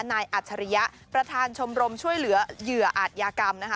อัจฉริยะประธานชมรมช่วยเหลือเหยื่ออาจยากรรมนะคะ